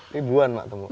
ribuan mak temuk